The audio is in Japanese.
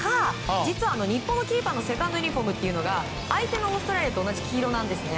実は日本のキーパーのセカンドユニホームというのが相手のオーストラリアと同じ黄色なんですね。